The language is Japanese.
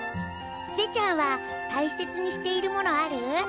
ちせちゃんはたいせつにしているものある？